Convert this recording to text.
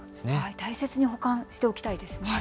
大切に保管しておきたいですね。